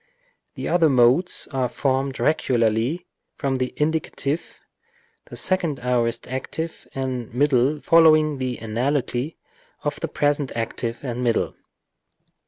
The other modes are formed regularly from the indicative, the second aorist active and middle following the analogy of the present active and middle.